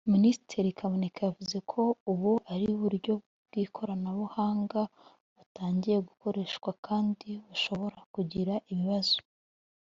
Ministiri Kaboneka yavuze ko ubu ari uburyo bw’ikoranabuhanga butangiye gukoreshwa kandi bushobora kugira ibibazo